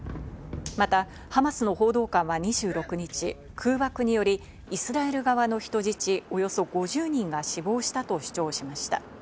またハマスの報道官は２６日、空爆により、イスラエル側の人質、およそ５０人が死亡したと主張しました。